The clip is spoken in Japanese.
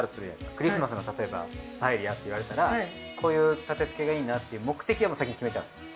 クリスマスの例えばパエリアっていわれたらこういう立てつけがいいなって目的は先に決めちゃうんですよ。